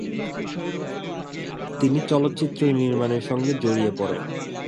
তিনি চলচ্চিত্র নির্মাণের সঙ্গে জড়িয়ে পড়েন।